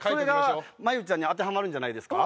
それが真佑ちゃんに当てはまるんじゃないですか？